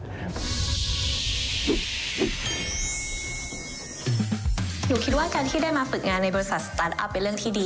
หนูคิดว่าการที่ได้มาฝึกงานในบริษัทสตาร์ทอัพเป็นเรื่องที่ดี